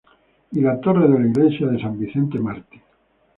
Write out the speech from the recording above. Y la torre de la Iglesia de San Vicente Mártir.